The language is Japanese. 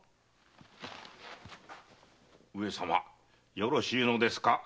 上様よろしいのですか？